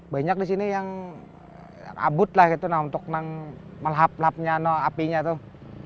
banyak di sini yang abut lah gitu untuk melahap lahapnya apinya tuh